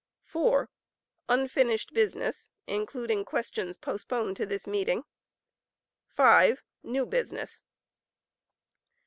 (4) Unfinished Business (including questions postponed to this meeting). (5) New Business.